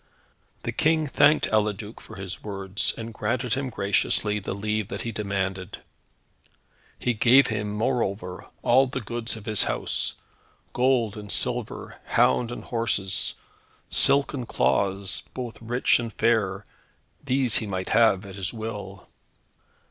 The King thanked Eliduc for his words, and granted him graciously the leave that he demanded. He gave him, moreover, all the goods of his house; gold and silver, hound and horses, silken cloths, both rich and fair, these he might have at his will.